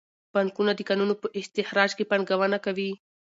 بانکونه د کانونو په استخراج کې پانګونه کوي.